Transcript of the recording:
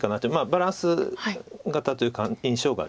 バランス型という印象があります。